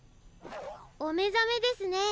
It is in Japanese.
おめざめですね。